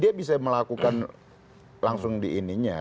dia bisa melakukan langsung di ininya